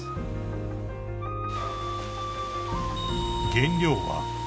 ［原料は］